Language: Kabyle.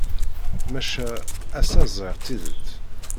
Maca ass-a ẓriɣ tidet.